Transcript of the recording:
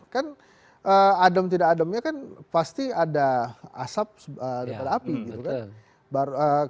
kan adem tidak ademnya kan pasti ada asap daripada api gitu kan